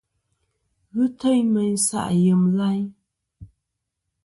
Ghɨ teyn mey nsaʼ yem layn.